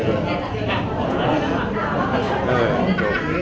ขอบคุณค่ะพี่โฟสขอบคุณค่ะ